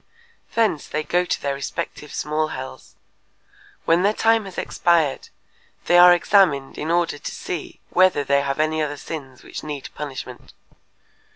] Thence they go to their respective small hells. When their time has expired, they are examined in order to see whether they have any other sins which need punishment.